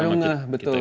baru ngeh betul